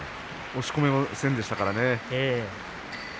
押し込めませんでしたからね。